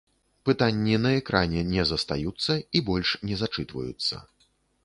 Пытанні на экране не застаюцца і больш не зачытваюцца.